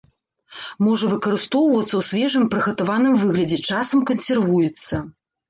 Можа выкарыстоўвацца ў свежым і прыгатаваным выглядзе, часам кансервуецца.